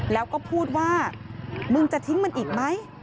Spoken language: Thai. แล้วก็พูดว่ามึงจะทิ้งมันอีกไหม